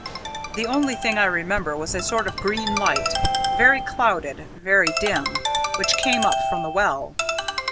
"The only thing I remember was a sort of green light very clouded, very dim which came up from the well.